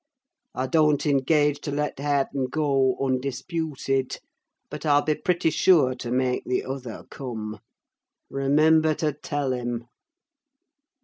I don't engage to let Hareton go undisputed; but I'll be pretty sure to make the other come! Remember to tell him."